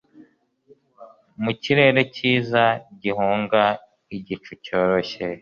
Mu kirere cyiza gihunga igicu cyoroshye